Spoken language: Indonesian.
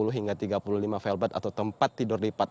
tiga puluh hingga tiga puluh lima velvet atau tempat tidur lipat